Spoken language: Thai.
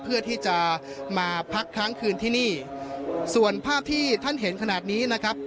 เพื่อที่จะมาพักค้างคืนที่นี่ส่วนภาพที่ท่านเห็นขนาดนี้นะครับ